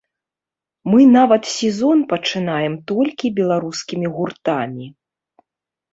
Мы нават сезон пачынаем толькі беларускімі гуртамі.